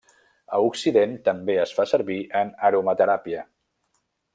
A occident també es fa servir en aromateràpia.